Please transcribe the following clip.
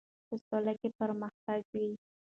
په سوله کې پرمختګ وي.